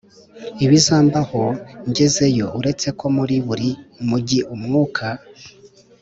ibizambaho ngezeyo uretse ko muri buri mugi umwuka